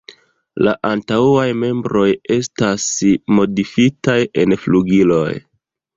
La antaŭaj membroj estas modifitaj en flugiloj.